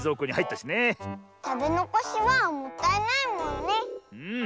たべのこしはもったいないもんね！